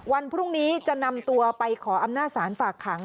วันพรุ่งนี้จะนำตัวไปขออำนาจศาลฝากขัง